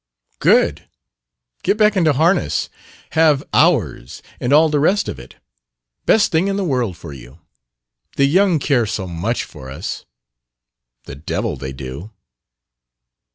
"Good! Get back into harness; have 'hours' and all the rest of it. Best thing in the world for you. The young care so much for us the devil they do!"